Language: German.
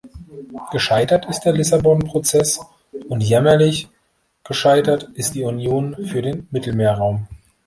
Gescheitert ist der Lissabonprozess, und jämmerlich gescheitert ist die Union für den Mittelmeerraum.